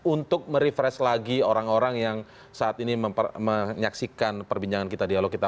untuk merefresh lagi orang orang yang saat ini menyaksikan perbincangan kita dialog kita